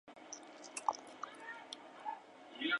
A fines de ese año se retira del fútbol profesional.